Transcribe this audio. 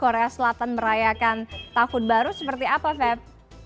korea selatan merayakan tahun baru seperti apa feb